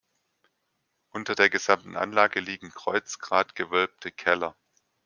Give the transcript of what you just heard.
Unter der gesamten Anlage liegen kreuzgratgewölbte Keller.